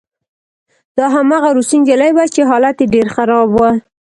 دا هماغه روسۍ نجلۍ وه چې حالت یې ډېر خراب و